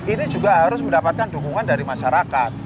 ini juga harus mendapatkan dukungan dari masyarakat